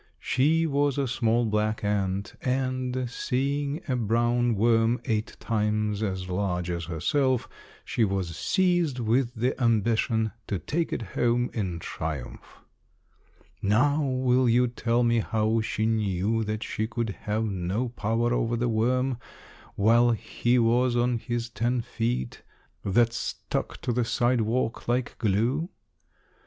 She was a small, black ant, and, seeing a brown worm eight times as large as herself, she was seized with the ambition to take it home in triumph. Now will you tell me how she knew that she could have no power over the worm while he was on his ten feet, that stuck to the sidewalk like glue?